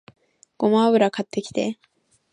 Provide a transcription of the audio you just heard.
ごま油買ってきて